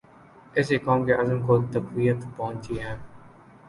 اس سے قوم کے عزم کو تقویت پہنچی ہے۔